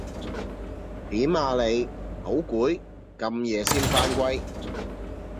點啊你？好攰？咁夜先返歸